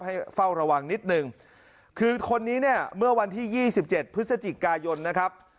ให้เฝ้าระวังนิดนึงคือคนนี้เนี่ยเมื่อวันที่ยี่สิบเจ็ดพฤศจิกายนนะครับ